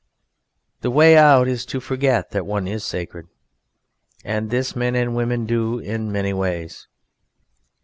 The way out is to forget that one is sacred, and this men and women do in many ways.